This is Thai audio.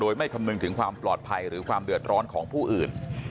อย่างน้อยก็จะมึงถึงความปลอดภัยหรือความเดือดร้อนของผู้อื่น